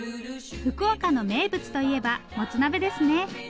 福岡の名物といえばもつ鍋ですね。